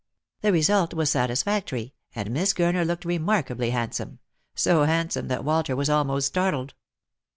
The result was satisfac tory, and Miss Gurner looked remarkably handsome — so hand some that Walter was almost startled.